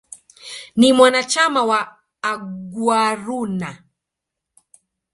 Ni mwanachama wa "Aguaruna".